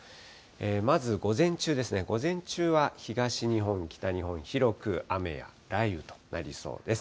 まず午前中ですね、午前中は東日本、北日本、広く雨や雷雨となりそうです。